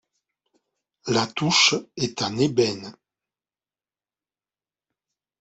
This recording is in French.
La touche est en ébène.